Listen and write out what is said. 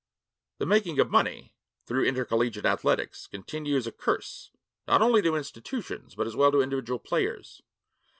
The making of money, through intercollegiate athletics, continues a curse, not only to institutions, but as well to individual players.